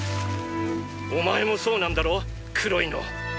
お前もそうなんだろ黒いの。